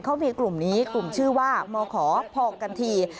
เขามีกลุ่มนี้กลุ่มชื่อว่ามขพอกันที